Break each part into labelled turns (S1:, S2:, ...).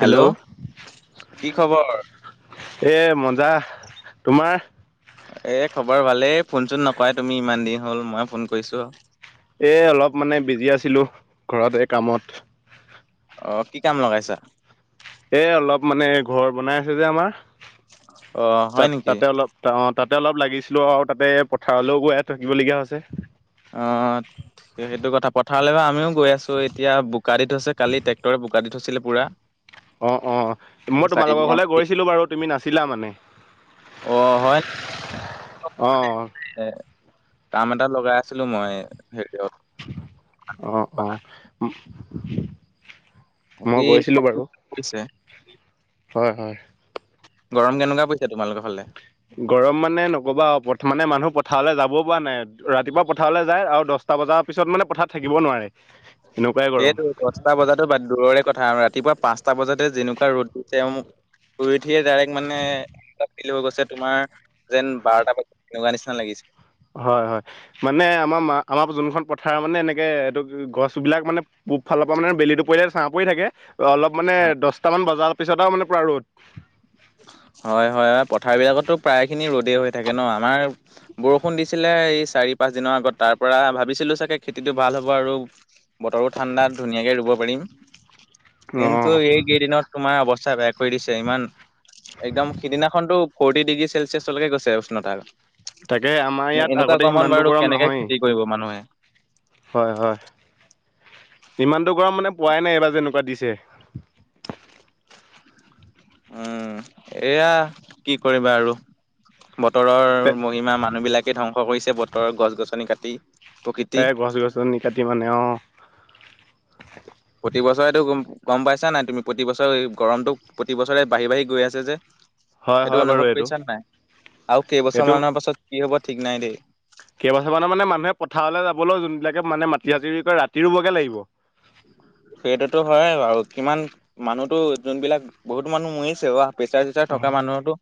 S1: Hello কি খবৰ?
S2: এ মজা, তোমাৰ?
S1: এ খবৰ ভালেই, ফোন চোন নকাই তুমি ইমান দিন হল মই ফোন কৰিছো।
S2: এ অলপ মানে বিজি আছিলো ঘৰত এ কামত।
S1: অ কি কাম লগাইছা?
S2: এ অলপ মানে ঘৰ বনাই আছে যে আমাৰ
S1: অ হয়
S2: তাত
S1: নেকি
S2: তাতে অলপ টাৱত তাতে অলপ লাগিছিলো আৰু তাতে পথাৰলৈও গৈয় থাকিবলগীয়া হৈছে।
S1: অ সেইটো কথা পথাৰলৈ বা আমিও গৈ আছো এতিয়া বোকা দি থৈছে কালি ট্ৰেক্টৰে বোকা দি থৈছিলে পুৰা।
S2: অ অ মই তোমালোকৰ
S1: চাৰিবিঘা
S2: ঘৰলে
S1: মাটি
S2: গৈছিলো বাৰু তুমি নাছিলা মানে।
S1: অ হয়
S2: অ
S1: কাম এটা লগাই আছিলো মই হে
S2: অঁ অঁ
S1: বাকী কামটো হৈছে।
S2: হয় হয়
S1: গৰম কেনেকুৱা পৰিছো তোমালোকৰ ফালে?
S2: গৰম মানে নকবা আও মানে মানুহ পথাৰলৈ যাব পৰা নাই, ৰাতিপুৱা পথাৰলৈ যায় আৰু দহ টা বজাৰ পিছত মানে পথাৰ থাকিব নোৱাৰে। এনেকুৱাই গৰম
S1: সেইেতটো দহটা বজাতো দূৰৰে কথা আম ৰাতি ৰাতিপুৱা পাঁচটা বজাতে যেনেকুৱা ৰ'দ দিছে আৰু মু শুই উঠিয়ে ডাইৰেক্ট মানে হৈ গৈছে তোমাৰ যেন বাৰটা বজাত তেনেকুৱা নিচিনা লাগিছিল।
S2: হয় হয় মানে আমাৰ আমাৰ যোনখন পথাৰ মানে এনেকে এইটো গছ বিলাক মানে পূব ফালৰ পৰা মানে বেলিটো পৰিলে ছাহ পৰি থাকে। অলপ মানে দহটামান বজাল পিছত মানে পুৰা ৰ'দ।
S1: হয় হয় পথাৰ বিলাকতো প্ৰায় খিনি ৰ'দেই হৈ থাকে ন আমাৰ বৰষুণ দিছিলে এই চাৰি পাঁচ দিনৰ আগত তাৰ পৰা ভাবিছিলো চাগে খেতিতটো ভাল হ'ব আৰু বতৰো ঠাণ্ডা ধুনীয়াকে ৰুব পাৰিম,
S2: অঁ
S1: কিন্তু এইকেইদিনত তোমাৰ অৱস্থা বেয়া কৰি দিছে ইমান একদম সিদিনাখনতো ফৰ্টি ডিগ্ৰী চেলচিয়াছলৈকে গৈছে
S2: তাকে আমাৰ
S1: উষ্ণতাটো
S2: ইয়াত
S1: এনেকুৱা
S2: আগতে
S1: গৰমত
S2: সিমানটো
S1: বাৰু
S2: গৰম
S1: কেনেকে
S2: নহয়েই
S1: খেতি কৰিব মানুহে।
S2: হয় হয় ইমানটো গৰম মানে পোৱাই নাই এইবাৰ যেনেকুৱা দিছে।
S1: উম এয়া কি কৰিবা আৰু বতৰৰ মহিমা মানুহ বিলাকে ধ্বংস কৰিছে বতৰৰ গছ গছনি কাটি। প্ৰকৃতি
S2: তাই গছ গছনি কাটি মানে আও
S1: প্ৰতি বছৰেটোম গম পাইছা নাই তুমি প্ৰতি বছৰে গৰমটো প্ৰতি বছৰে বাঢ়ি বাঢ়ি গৈ আছে যে।
S2: হয়
S1: সেইটো
S2: হয় বাৰু
S1: অনুভৱ
S2: এইটো
S1: কৰিছা ন নাই আৰু কেইবছৰ মানৰ পাছত কি হব ঠিক নাই দেই।
S2: কেইবাছানৰ মানে মানুহে পথাৰলৈ যাবলৈও যোনবিলাকে মানে মাটি সাজিৰি কৰে ৰাতি ৰুবগে লাগিব
S1: সেইটোতো হয় বাৰু কিমান মানুহতো যোনবিলাক বহুতো মানুহ মৰিছে বা প্ৰেচাৰ চেচাৰ
S2: অ
S1: থকা মানুহতো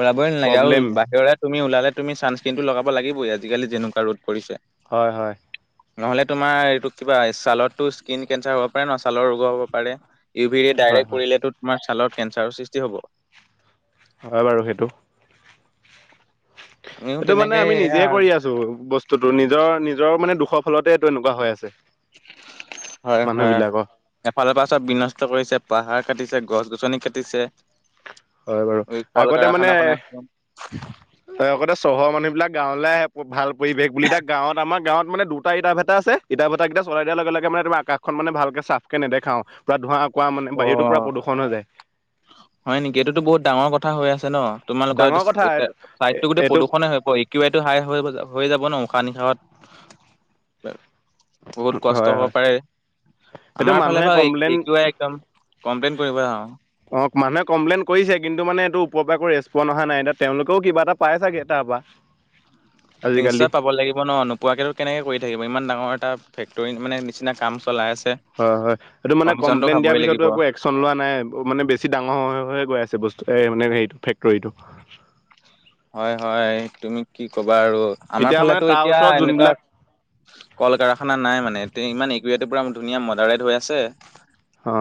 S1: ওলাবই নালাগে আৰু
S2: প্ৰব্লেম
S1: বাহিৰ তুমিওলালে তুমি চানস্ক্ৰীনটো লগাব লাগিবই আজিকালি যেনেকুৱা ৰদ পৰিছে
S2: হয় হয়
S1: নহলে তোমাৰ এইটো কিবা ছালতো স্কিন কেঞ্চাৰ হ'ব পাৰে ন ছালৰ ৰোগ হ'ব পাৰে ইউ ভ
S2: হয়
S1: ডাইৰেক্ট
S2: হয়
S1: পৰিলেতো তোমাৰ ছালত কেঞ্চাৰৰ সৃষ্টি হ'ব
S2: হয় বাৰু সেইটো
S1: আমিও
S2: এইটো মানে
S1: তেনেকে
S2: আমি নিজে
S1: এয়া
S2: কৰি আছো বস্তুতটো নিজৰ নিজৰ মানে দুখ ফলতে এইটো এনেকুৱা হৈ আছে
S1: হয়
S2: মানুহ
S1: হয়
S2: বিলাকৰ
S1: এফালৰ পৰা চব বিন কষ্ট কৰিছে পাহাৰ কাটিছে গছ গছনি কাটিছে
S2: হয় বাৰু
S1: কল
S2: আগতে মানে
S1: কাৰখানা বনাইছে
S2: হয় আগতে চহৰৰ মানুহ বিলাক গাঁৱলৈ আহে ভাল পৰিৱেশ বুলি এতিয়া গাঁৱত আমাৰ গাঁৱত মানে দুটাভেটা আছে ইটা ভেটা কেইটা চলাই দিয়া লগে লগে মে তম আকাশখন মানে ভালক চাফ কে নেদেখাও প পুৰা ধোঁৱা কোৱা মানে
S1: অ
S2: বায়ুটো পূ প্ৰদূষণ হৈ যায়
S1: হয় নেকি এইটোতো বহুত ডাঙৰ কথা হৈ আছে ন তোমালোক ৰ
S2: ডাঙৰ কথা এইটো
S1: চাইড টো গোটেই
S2: এইটো
S1: প্ৰদূষণে হৈ প ইউ আই টো হাই হৈ যাব হৈ যাব ন উশাহ নিশাহত বহুত কষ্ট
S2: হয়
S1: হ'ব
S2: হয়
S1: পাৰে
S2: এইটো
S1: আমাৰ ফালে
S2: মানুহে কমপ্লেইন
S1: বাৰু একদম কমপ্লেইন কৰিব আৰু
S2: অ মানুহে কমপ্লেইন কৰিছে কিন্তু মানে এইটো ওপৰ পৰা আ একো ৰেছপন্ অহা নাইতিয়া তেওঁলোকেও কিবা এটা পাই ছাগে তাৰপ পৰা আজিকালি
S1: নিশ্চয় পাব লাগিব ন নোপোৱাকো কেনেকে কৰি থাকিব ইমান ডাঙৰ এটা ফেক্টৰীত মানে নিচিনা কাম চলাই আছে।
S2: হয় হয় এইটো মানে
S1: কমিশনটো
S2: কমপ্লেইন
S1: খাবই
S2: দিয়াৰ পিছতো
S1: লাগিব
S2: একো একচন লোৱা নাই মানে বেছি ডাঙৰ হৈহে গৈ আছে বস্তু এ মানে হেৰিটো ফেক্টৰীটো
S1: হয় হয় তুমি কি কবা আৰু আমাৰ
S2: এতিয়া মানে
S1: ফালেতো
S2: তাৰ
S1: এতিয়া
S2: ওচৰত
S1: এনেকুৱা
S2: যোনবিলাক
S1: কল কাৰখানা নাই মানে ইমান একটো পুৰা ধুনীয়া মডাৰেড হৈ আছে।
S2: অ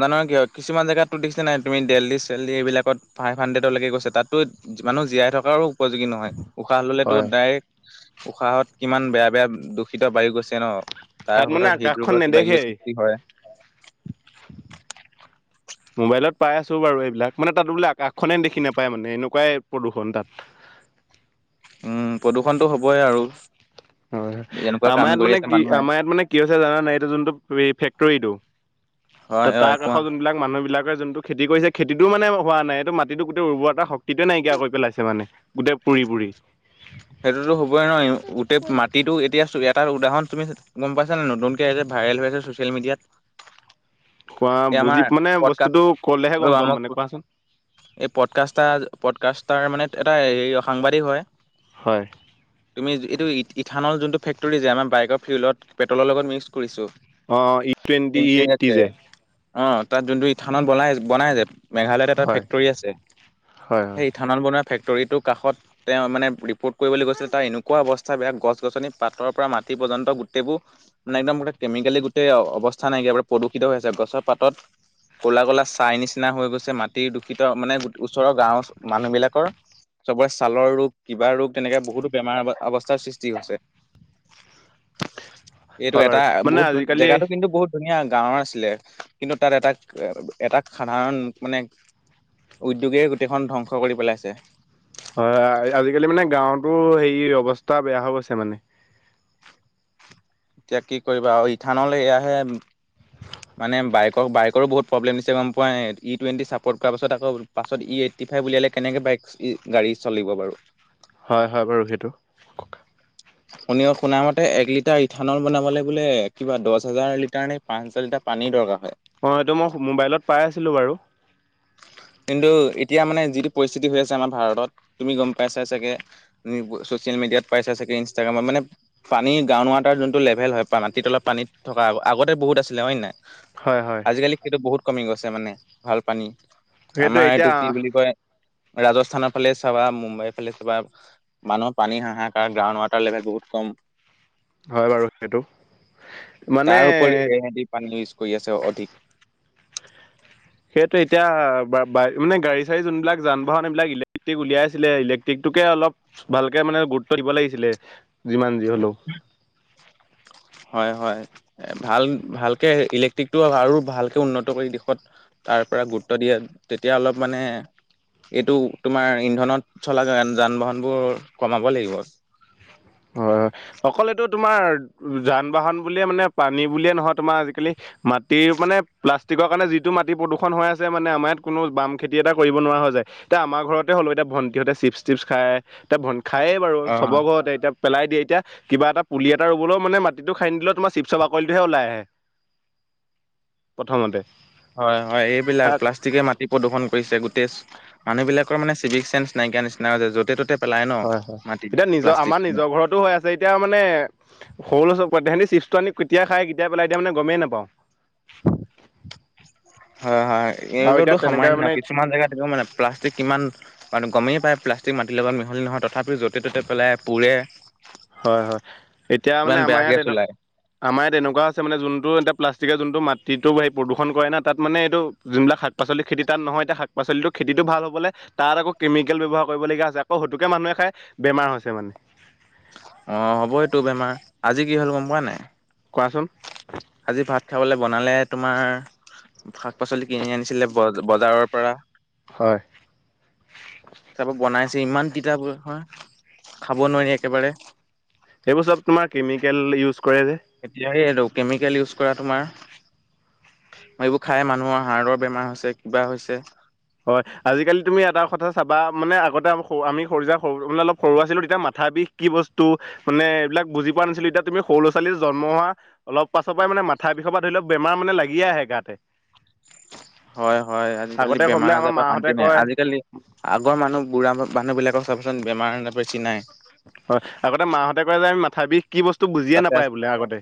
S1: নানৰ কিয় কিছুমান জেগাততো দিছে ন তুমি দেল্লী চেল্লী এইবিলাকত ফাইভ হাণ্ড্ৰেডলৈকে গৈছে তাততো মানুহ জীয়াই থকাৰো উপযোগী নহয় উশাহ ললেতো
S2: হয়
S1: ডাইৰেক্ট উশাহত কিমান বেয়া বেয়া দূষিত বায়ু গৈছে ন। তাৰ
S2: তাত মানে
S1: সমপত
S2: আকাশখন
S1: হৃদৰোগৰ কিবা কিবি
S2: নেদেখেই
S1: সৃষ্টি হয়।
S2: মোবাইলত পাই আছো বাৰু এইবিলাক মানে তাত বোলে আকাশখনে দেখি নেপায় মানে এনেকুৱাই প্ৰদূষণ তাত
S1: [inaudible] উম প্ৰদূষণতটো হ'বই আৰু
S2: হয় হয়
S1: এনেকুৱা কাম
S2: আমাৰ ইয়াত
S1: কৰি
S2: মানে
S1: আছে
S2: কি
S1: মানুহে
S2: আমাৰ ইয়াত মানে কি আ হৈছে জানা নাই এইটো যোনটো ফেক্টৰীটো ত
S1: হয় হয়
S2: তাৰ
S1: কোৱা
S2: কাষত যোনবিলাক মানুহ বিলাক যোনটো খেতি কৰিছে খেতিটো মানে হোৱা নাই এইটো মাটিতটো গোটেই ৰুবোৱা এটা শক্তিৱে নাইকিয়া কৰি পেলাইছে মানে। গোটেই পুৰি পুৰি
S1: সেইটোতো হবই নহয় গোটেই মাটিতটো এতিয়া এটা উদাহৰণ তুমি গম পাইছা নে নতুনকে এ ভাইৰেল হৈ আছে ছচিয়েল মিডিয়াত
S2: কোৱা
S1: এই আমাৰ
S2: বুজি মানে
S1: পডকাষ্ট
S2: বস্তুটো কলেহে গম
S1: ৰবা
S2: পাম
S1: মই
S2: মানে
S1: কৈ
S2: কোৱাচোন।
S1: এই পডকাষ্টাৰ পডকাষ্টাৰ মানে এটা হেৰি সাংবাদিক হয়।
S2: হয়।
S1: তুমি এইটো ইথানলৰ যোনটো ফেক্টৰী যে আমাৰ বাইকৰ ফউ্ডত পেটলৰ লগত মিক্স কৰিছোঁ
S2: অ ই টুৱেণ্টি ই এইটটি যে
S1: অহ তাত যোনটো ইথানল বনাই বনাই যে মেঘালয়ত এটা
S2: হয়,
S1: ফেক্টৰী আছে
S2: হয়,
S1: সেই
S2: হয়।
S1: ইথানল বনোৱা ফেক্টৰীটোৰ কাষত তেওঁ মানে ৰিপৰ্ট কৰিবলৈ গৈছিলে তাৰ এনেকুৱা অৱস্থা বেয়া গছ গছনি পাতৰ পৰা মাটি পৰ্যন্ত গোটেইবোৰ একদম এনে এক দম আজিকালি গোটেই অৱস্থা নাইকিয়া প্ৰদূষিত হৈ আছে গছৰ পাতত ক'লা কলা চাই নিচিনা হৈ গৈছে মাটিৰ দূষিত মানে ওচৰৰ গাঁওৰ মানুহ বিলাকৰ চবৰে ছালৰ ৰোগ কিবা ৰোগ। তেনেকে বহুতো বেমাৰ অৱস্থাৰ সৃষ্টি হৈছে। এইটো
S2: হয়
S1: এটা
S2: বাৰু মানে
S1: বহুত
S2: আজিকালি
S1: জেগাটো কিন্তু বহুত ধুনীয়া। গাঁওৰ আছিলে কিন্তু তাত এটা এটা সাধাৰণ মানে। উদ্যোগে গোটেইখন ধ্বংস কৰি পেলাইছে
S2: হয় আজিকালি মানে গাঁৱতো হেৰি অৱস্থা বেয়া হৈ গৈছে মানে
S1: এতিয়া কি কৰিবা আৰু ইথানল এয়াহে। মানে বাইকৰ বাইকৰো বহুত প্ৰব্লেম দিছে গম পোৱা ই টুৱেণ্টি চাপৰ্ট কৰাৰ পাছত আকৌ পাছত ই এইট উলিয়ালে কেনেকে বাইক গাড়ী চলিব বাৰু
S2: হয় হয় বাৰু সেইটো
S1: শুন শুনা মতে এক লিটাৰ ইঠানল বনাবলে বোলে কিবা দহ হাজাৰ লিটাৰ নে পাঁচ হাজাৰ লিটাৰ পানী দৰকাৰ হয়
S2: অ এইটো মই মোবাইলত পাই আছিলো বাৰু
S1: [unintelligible] কিন্তু এতিয়া মানে যিটো পৰিস্থিতি হৈ আছে আমাৰ ভাৰতত তুমি গম পাইছাই চাগে। মিডিয়াত পাইছা চাগে। মানে পানী গ্ৰাউণ্ড ৱাটাৰ যোনটো লেভেল হয় মাটিত তলত পানীত থকা আগতে বহুত আছিলে হয় নে নাই
S2: হয়, হয়।
S1: আজিকালি সেইটো বহুত কমি গৈছে মানে ভাল পানী
S2: সেইটো
S1: আমাৰ এইটো
S2: এতিয়া
S1: কি বুলি কয়। ৰাজস্থানৰ ফালে চাবা মুম্বাইৰ ফালে চাবা মানুহৰ পানী হাহাকাৰ গাওঁ তাৰ লেভেল বহুত কম
S2: হয় বাৰু সেইটো মানে
S1: তাৰ উপৰি সেহেতি পানী ইউজ কৰি আছে অধিক
S2: সেইটো এতিয়া বা মান গাড়ী চাড়ী যোনবিলাক যান বাহন এইবিলাক ইলেক্ট্ৰিক উলিয়াই আছিলে ইলেক্ট্ৰিক তোকে অলপ ভালকে মানে গুৰুত্ব দিব লাগিছিলে যিমান যি হলেও
S1: হয় হয় ভাল ভালকে ইলেক্ট্ৰিকটো আৰু ভালকে উন্নত কৰি দেশত তাৰ পৰা গুৰুত্ব দিয়ে তেতিয়া অলপ মানে এইটো তোমাৰ ইন্ধনত চলা যান বাহনবোৰ কমাব লাগিব
S2: হয় অকল এইতো তোমাৰ যান বাহন বুলিয়ে মানে পানী বুলিয়ে নহয় তোমাৰ আজিকালি মাটিৰ মানে প্লাষ্টিকৰ কাৰণে যিটো মাটি প্ৰদূষণ হৈ আছে মানে আমাৰ ইয়াত কোনো বাম খেতি এটা কৰিব নোৱাৰা হয় দেখা যায় এতিয়া আমাৰ ঘৰতে হ'লো এতিয়া ভণ্টিহঁতে চিপছ তিচি খাই খাইয়ে বাৰু চবৰ
S1: অ'
S2: ঘৰতে এতিয়া পেলাই দিয়ে এতিয়া কিবা এটা পুলি ৰুবলৈ মানে মাটিটো খান্দি দিলে তোমাৰ চিপছৰ বাকলিটো হে ওলাই আহে
S1: [inaudible] [unintelligible]
S2: প্ৰথমতে
S1: হয় হয় এইবিলাক প্লাষ্টিকে মা মাটি প্ৰদূষন কৰিছে গোটেই মানুহ বিলাকৰ মানে চিভিক চেন্স নাইকিয়া নিচিনা হৈ য'তে ত'তে পেলাই ন
S2: হয় হয়
S1: মাটি
S2: এতিয়া নিজৰ আমাৰ
S1: প্লাষ্টিক।
S2: নিজৰ ঘৰতো হৈ আছে এতিয়া মানে সৰু চব পোৱাতে তহতি চিপ চিপছ্তোআনি কেতিয়া খাই কেতিয়া পেলাই দিয়ে মানে গমেই নাপাওঁ
S1: হয় হয়
S2: আৰু এতিয়া
S1: এইটো
S2: তেনেকে
S1: সামান্য
S2: মানে
S1: কিছুমান জেগাত দেখো মানে প্লাষ্টিক কিমান কথাতো গমেই পায় প্লাষ্টিক মাটিৰ লগত মিহলি নহয় তথাপি য'তে ত'তে পেলাই পুৰে
S2: হয় হয় এতিয়া
S1: কিমান
S2: মানে আমাৰ
S1: বেয়া
S2: ইয়াত
S1: গেছ
S2: এদম
S1: ওলাই
S2: আমাৰ ইয়াত এনেকুৱা আছে মানে যোনটো এটা প্লাষ্টিকৰ যোনটো মাটিতটো এই প্ৰদূষণ কৰে ন তাত মানে এইটো যোনবিলাক শাক পাচলি খেতি তাত নহয় এতিয়া শাক পাচলিটো খেতিটো ভাল হ'বলৈ তাত আকৌ কেমিকেল ব্যৱহাৰ কৰিবলগীয়া হৈছে আকৌ হওঁতোকে মানুহে খাই বেমাৰ হৈছে মানে
S1: অহ হ'বইটো বেমাৰ আজি কি হ'ল গম পোৱা নাই
S2: কোৱাচোন
S1: আজি ভাত খাবলৈ বনালে। তোমাৰ শাক পাচলি কিনি আনিছিলে বজ বজাৰৰ পৰা
S2: হয়
S1: চব বনাই চে ইমান তিতা হয় খাব নোৱাৰি একেবাৰে
S2: এইবোৰ চব তোমাৰ কেমিকেল ইউজ কৰে যে
S1: এতিয়া সেইটো কেমিকেল ইউজ কৰা তোমাৰ এইবোৰ খাই মানুহৰ হাৰ্টৰ বেমাৰ হৈছে কিবা হৈছে
S2: হয় আজিকালি তুমি এটা কথা চাবা মানে আগতে আমি সৰু যা সৰু মানে অলপ সৰু আছিলো তেতিয়া মাথা বিষ কি বস্তু মানে এইবিলাক বুজি পোৱা নাছিলো এতিয়া তুমি সৰু লৰা ছোৱালী জন্ম হোৱা অলপ পাছৰ পৰা মানে মাথা বিষৰ পৰা ধৰি লওঁক বেমাৰ মানে লাগিয়ে আহে হে গাতে
S1: স [unintelligible] হয় হয় আজিকালি
S2: আগতে বোলে
S1: বেমাৰ
S2: আমাৰ
S1: আজাৰ পৰা
S2: মাহঁতে
S1: শান্তি নাই,
S2: কয়
S1: আজিকালি আগৰ মানুহ বুঢ়া মানুহ বিলাক অহ চাওকচোন বেমাৰে বেছি নাই
S2: হয় আগতে মাহঁতে কয় যে আমি মাথা বিষ কি বস্তু বুজিয়ে
S1: তাতে
S2: নাপায়
S1: আছে
S2: বোলে আগতে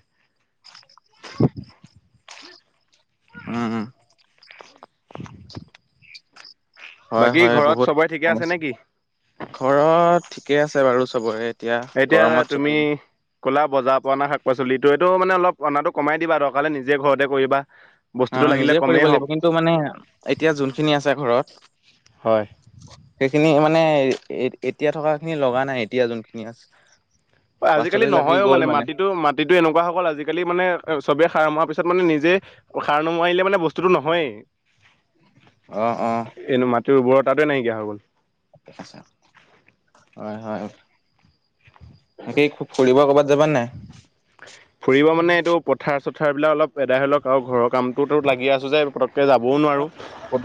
S1: উম উম
S2: [unintelligible]
S1: হয়
S2: বাকী
S1: হয়
S2: ঘৰত
S1: বহুত
S2: চবৰে ঠিকে আছে
S1: সমস্যা
S2: নেকি?
S1: ঘৰত ঠিকে আছে বাৰু চবৰে
S2: এতিয়া
S1: গৰমত
S2: তুমি
S1: চবে
S2: ক'লা বজাৰ অনা শাক পাচলিত তো এইটো মানে অলপ অনাটো কমাই দিবা দৰকাৰ হলে নিজে ঘৰতে কৰিবা বস্তুটো
S1: অহ
S2: লাগিলে
S1: নিজে কৰিব
S2: কমেই হওক
S1: লাগিব কিন্তু মানে এতিয়া যোনখিনি আছে
S2: হয়।
S1: ঘৰত সেইখিনি মানে এতিয়া থকা খিনি লগা নাই এতিয়া যোনখিনি আছে
S2: আজিকালি
S1: পাছলে লাগি
S2: নহয়ও
S1: গ'ল
S2: মানে মাটিতো মাটিটো এনেকুৱা হয়গল আজিকালি মানে চবে সাৰ মৰ পিছত মানে নিজ যে অহ সাৰ নোমোৱাৰিলে মানে বস্তুতটো নহয়েই
S1: অহ অ অ
S2: তোৰ বৰ তাতে নাইকিয়া হৈ গ'ল
S1: আছে হয় হয় বাকী খুব ফুৰিব ক'বাত
S2: ফুৰিব মানে এইটো পথাৰ চথাৰবিলাক অলপ এদাই হৈ লওক আৰু ঘৰৰ কামটোতো লাগি আছোঁ যে পতক
S1: কব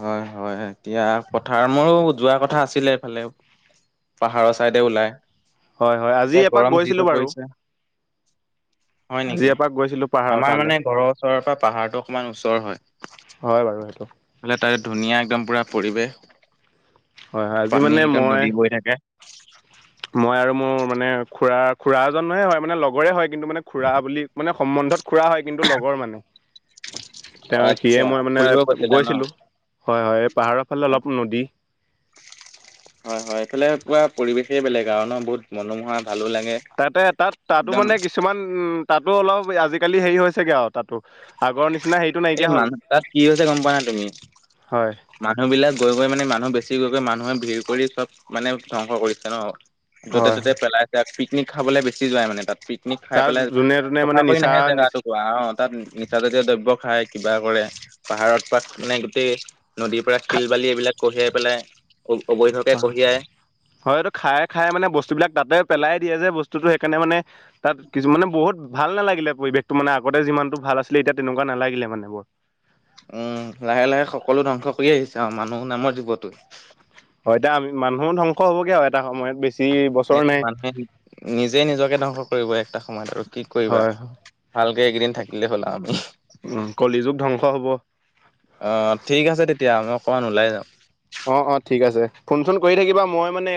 S1: হয় -হয় এতিয়া পথাৰ মোৰো যোৱা কথা আছিলে এইফালে পাহাৰৰ ছাইডে ওলাই
S2: হয় হয় আজি
S1: এতিয়া
S2: এপাক
S1: গৰম
S2: গৈছিলো
S1: জিটো
S2: বাৰু
S1: পৰিছে, হয়
S2: আজি
S1: নেকি
S2: এপাক গৈছিলো পাহাৰৰ
S1: আমাৰ
S2: তালে
S1: মানে ঘৰৰ ওচৰৰ পৰা পাহাৰটো অকমান ওচৰ
S2: বাৰু সেইটো
S1: হয় লী তাই ধুনীয়া একদম পুৰা পৰিৱেশ,
S2: হয় হয় আজি মানে
S1: পানী একদম
S2: মই
S1: নদী বৈ থাকে
S2: মই আৰু মোৰ মান মানে খুৰা -খুৰা এজনহে হয় মানে লগৰে হয় কিন্তু মানে খুৰা বুলি মানে সম্বন্ধত খুৰা হয় কিন্তু লগৰ মানে তেওঁ
S1: আচ্ছা
S2: সিয়ে মই মানে
S1: ফুৰিব গৈছিলা ন
S2: গৈছিলো হয় -হয় এই পাহাৰৰ ফালে
S1: অ
S2: অলপ নদী
S1: হয়- হয় এইফালে পুৰা পৰিবেশেই বেলেগ আৰু ন বহুত মনোমোহা ভালো লাগে
S2: তাতে তাত- তাতো
S1: একদম
S2: মানে কিছুমান উম তাতো অলপ আজিকালি হেৰি হৈছেগে আও তাতো আগৰ নিচিনা সেই
S1: এই মানুহ তাত কি হৈছে গম পোৱা নে তুমি
S2: হয়
S1: মানুহ বিলাক গৈ গৈ মানে মানুহ বেছি গৈ গৈ মানুহে ভিৰ কৰি চব মানে ধ্বংস কৰিছে ন য'তে
S2: হয়
S1: ততে
S2: হয়
S1: পেলাই আছে পিকনিক খাবলৈ বেছি যাই মানে তাত পিক নিক খাই
S2: তাৰ
S1: পেলাই
S2: যোনে তোনে
S1: চফা
S2: মানে
S1: কৰি
S2: নিচা
S1: নাহে জেগা
S2: নিচ
S1: টোকুৰা অ তাত নিচাজাতীয় দ্ৰব্য খাই কিবা কৰে পাহাৰত পাত মানে গোটেই নদীৰ পৰা শিল বালি এইবিলাক কঢ়িয়াই পেলাই অবৈধকে
S2: হয়-
S1: কঢ়িয়াই
S2: হয় এইটো খায় -খায় মানে বস্তুবিলাক তাতে পেলাই দিয়ে যে বস্তুটো সেইকাৰণে মানে তাত কিছু মানে বহুত ভাল নালাগিলে পৰিৱেশতটো মানে আগতে যিমানতটো ভাল ভাল আছিলে এতিয়া তেনেকুৱা নালাগিলে মানে বৰ
S1: উম লাহে লাহে সকলো ধ্বংস কৰি আহিছে আৰু মানুহ নামৰ জীৱত
S2: হয় দা এতিয়া আমি মানুহো ধ্বংস হ'বগে আৰু এটা সময়ত বেছি বছৰ
S1: এইটো
S2: নাই।
S1: মানুহে নিজে নিজকে ধ্বংস কৰিব একটা সময়ত আৰু কি কৰিবা
S2: হয়
S1: ভালকে এইকেইদিন থাকিলে হল আমি
S2: উম কলি যুগ ধ্বংস হ'ব।
S1: আহ ঠিক আছে তেতিয়া আমি অকমান ওলাই যাওঁ
S2: অ', অ', ঠিক আছে ফোন চোন কৰি থাকিবা মই মানে।